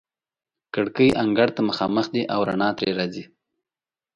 کړکۍ انګړ ته مخامخ دي او رڼا ترې راځي.